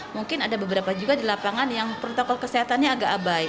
mungkin ada beberapa juga di lapangan yang protokol kesehatannya agak abai